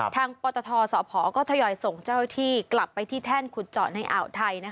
ปตทสพก็ทยอยส่งเจ้าหน้าที่กลับไปที่แท่นขุดเจาะในอ่าวไทย